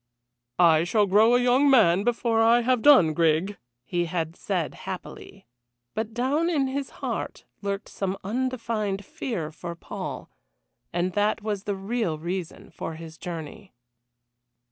"I shall grow a young man again before I have done, Grig!" he had said happily. But down in his heart lurked some undefined fear for Paul, and that was the real reason for his journey.